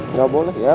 nggak boleh ya